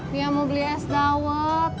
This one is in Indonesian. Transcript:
nia mau beli es gawat